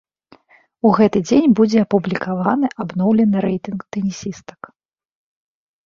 У гэты дзень будзе апублікаваны абноўлены рэйтынг тэнісістак.